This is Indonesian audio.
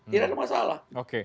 tidak ada masalah